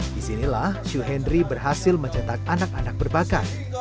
disinilah syuhendri berhasil mencetak anak anak berbakat